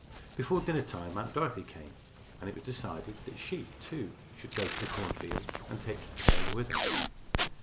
Before dinner time Aunt Dorothy came, and it was decided that she, too, should go to the cornfield and take Keren with her.